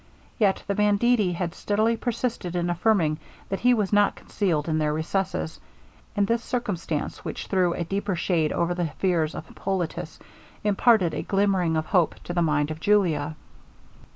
Yet the banditti had steadily persisted in affirming that he was not concealed in their recesses; and this circumstance, which threw a deeper shade over the fears of Hippolitus, imparted a glimmering of hope to the mind of Julia.